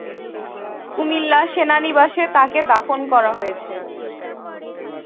কুমিল্লা সেনানিবাসে তাকে দাফন করা হয়েছে।